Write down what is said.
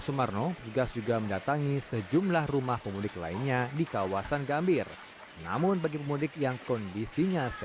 seperti ada warga yang tidak bisa untuk datang ke posek atau puskesmas